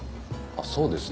あっそうですね。